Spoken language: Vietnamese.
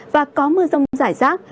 và có mưa rông giải rác